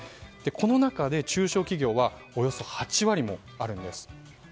この中で中小企業はおよそ８割もあるんです。